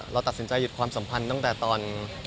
เราตัดสินใจหยุดความสัมพันธ์ตั้งแต่ตอน